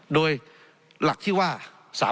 โดยหลักที่ว่า